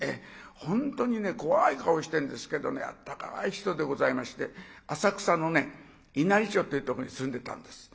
本当にね怖い顔してんですけどあったかい人でございまして浅草の稲荷町ってとこに住んでたんです。